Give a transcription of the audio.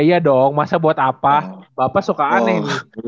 iya dong masa buat apa bapak suka aneh